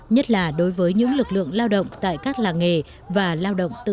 nhất là đối với những lực lượng lao động tại các làng nghề và lao động tự